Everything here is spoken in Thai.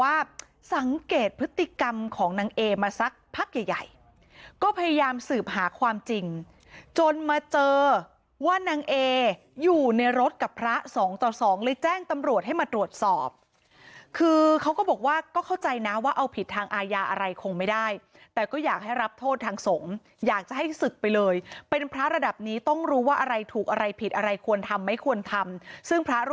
ว่าสังเกตพฤติกรรมของนางเอมาสักพักใหญ่ใหญ่ก็พยายามสืบหาความจริงจนมาเจอว่านางเออยู่ในรถกับพระสองต่อสองเลยแจ้งตำรวจให้มาตรวจสอบคือเขาก็บอกว่าก็เข้าใจนะว่าเอาผิดทางอาญาอะไรคงไม่ได้แต่ก็อยากให้รับโทษทางสงฆ์อยากจะให้ศึกไปเลยเป็นพระระดับนี้ต้องรู้ว่าอะไรถูกอะไรผิดอะไรควรทำไม่ควรทำซึ่งพระร่